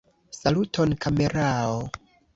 Saluton kamerao!